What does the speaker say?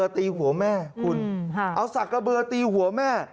เอาสักกระเบือตีหัวแม่